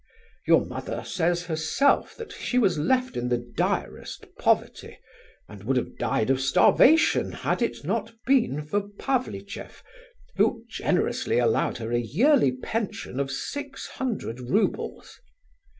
Your mother says herself that she was left in the direst poverty, and would have died of starvation had it not been for Pavlicheff, who generously allowed her a yearly pension of six hundred roubles.